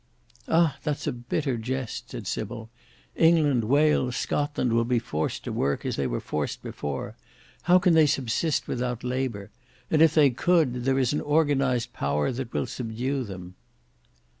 "Ah! that's a bitter jest," said Sybil. "England, Wales, Scotland will be forced to work as they were forced before. How can they subsist without labour? And if they could, there is an organised power that will subdue them."